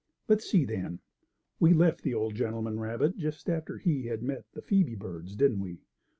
Let's see then, we left the old gentleman rabbit just after he had met the Phoebe birds, didn't we?